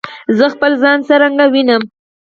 زه خپل ځان څرنګه وینم؟